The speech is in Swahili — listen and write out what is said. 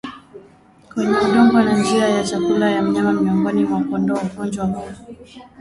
kwenye udongo na njia ya chakula ya mnyama Miongoni mwa kondoo ugonjwa huu